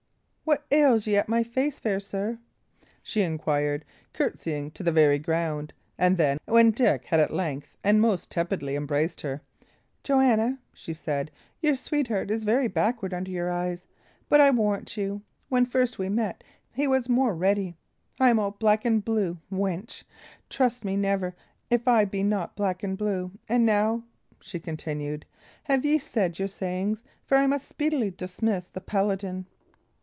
"What ails ye at my face, fair sir?" she inquired, curtseying to the very ground; and then, when Dick had at length and most tepidly embraced her, "Joanna," she added, "your sweetheart is very backward under your eyes; but I warrant you, when first we met he was more ready. I am all black and blue, wench; trust me never, if I be not black and blue! And now," she continued, "have ye said your sayings? for I must speedily dismiss the paladin."